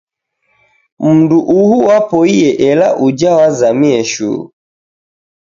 Mundu uhu wapoie ela uja wazamie shuu